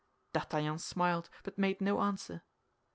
D'Artagnan smiled, but made no answer.